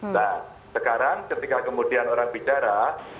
nah sekarang ketika kemudian orang bicara